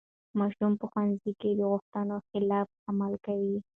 ماشوم په ښوونځي کې د غوښتنو خلاف عمل کوي.